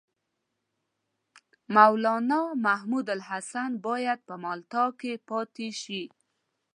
مولنا محمودالحسن باید په مالټا کې پاته شي.